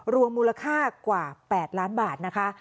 รวมมูลค่ากว่า๘ล้านบาทนะคะ